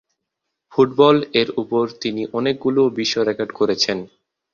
Football এর উপর তিনি অনেকগুলো বিশ্ব রেকর্ড করেছেন।